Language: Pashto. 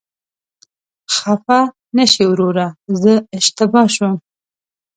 خفه نشې وروره، زه اشتباه شوم.